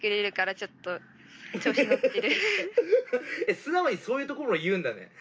素直にそういうところは言うんだね。